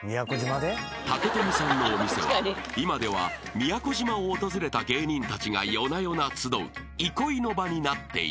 ［武富さんのお店は今では宮古島を訪れた芸人たちが夜な夜な集う憩いの場になっている］